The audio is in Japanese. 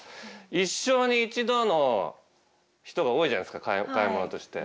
一生に一度の人が多いじゃないですか買い物として。